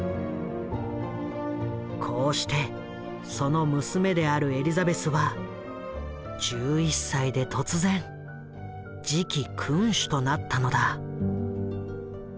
こうしてその娘であるエリザベスは１１歳で突然次期君主となったのだ。